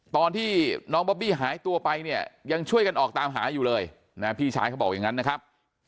ตอนที่น้องบอบบี้หายตัวไปเนี่ยยังช่วยกันออกตามหาอยู่เลยนะพี่ชายเขาบอกอย่างนั้นนะครับ